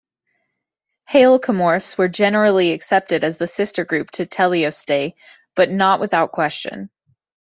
Halecomorphs were generally accepted as the sister group to Teleostei but not without question.